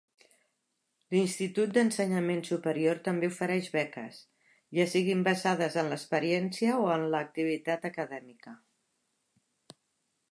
L'institut d'ensenyament superior també ofereix beques, ja siguin basades en l'experiència o en l'activitat acadèmica.